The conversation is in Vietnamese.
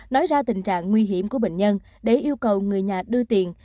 nói ra tình trạng nguy hiểm của bệnh nhân để yêu cầu người nhà đưa tiền